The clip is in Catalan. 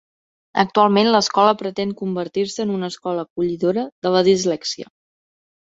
Actualment, l'escola pretén convertir-se en una escola acollidora de la dislèxia.